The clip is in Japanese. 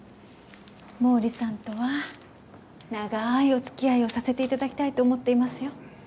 毛利さんとは長いお付き合いをさせて頂きたいと思っていますよ。